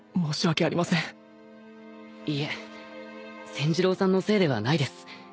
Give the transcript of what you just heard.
千寿郎さんのせいではないです。